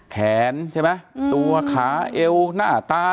ใช่ไหมตัวขาเอวหน้าตา